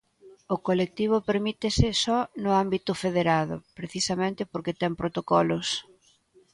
O colectivo permítese só no ámbito federado, precisamente porque ten protocolos.